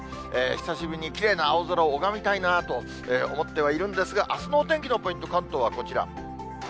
久しぶりにきれいな青空を拝みたいなと思ってはいるんですが、あすのお天気のポイント、関東はこちら。